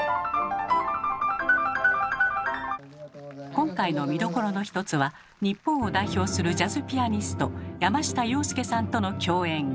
今回の見どころの一つは日本を代表するジャズピアニスト山下洋輔さんとの共演！